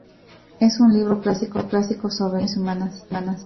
Es un libro clásico sobre las relaciones humanas.